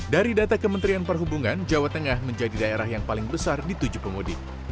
dari data kementerian perhubungan jawa tengah menjadi daerah yang paling besar di tujuh pemudik